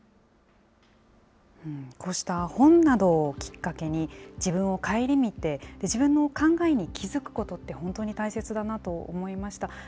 こうした本などをきっかけに、自分を顧みて、自分の考えに気付くことって本当に大切だなと思いました。